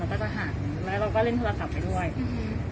ก็จะหักแล้วเราก็เล่นโทรศัพท์ไปด้วยอืม